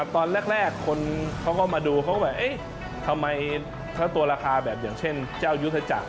ตอนแรกคนเขาก็มาดูเขาก็แบบเอ๊ะทำไมถ้าตัวราคาแบบอย่างเช่นเจ้ายุทธจักร